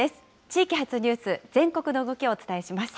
地域発ニュース、全国の動きをお伝えします。